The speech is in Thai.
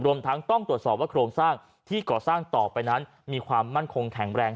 รวมทั้งต้องตรวจสอบว่าโครงสร้างที่ก่อสร้างต่อไปนั้นมีความมั่นคงแข็งแรง